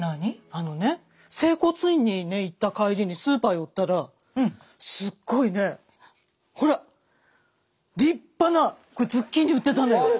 あのね整骨院にね行った帰りにスーパー寄ったらすっごいねほら立派なズッキーニ売ってたの。